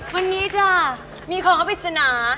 วันนี้จ้ะมีของอปริศนา